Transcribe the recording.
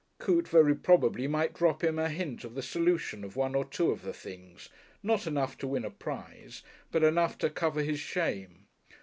Coote very probably might drop him a hint of the solution of one or two of the things, not enough to win a prize, but enough to cover his shame.